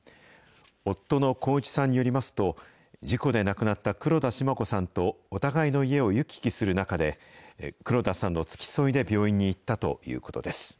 夫の幸一さんによりますと、事故で亡くなった黒田シマ子さんとお互いの家を行き来する中で、黒田さんの付き添いで病院に行ったということです。